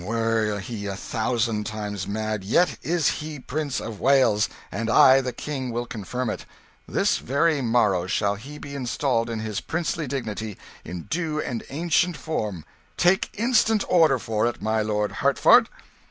Were he a thousand times mad, yet is he Prince of Wales, and I the King will confirm it. This very morrow shall he be installed in his princely dignity in due and ancient form. Take instant order for it, my lord Hertford."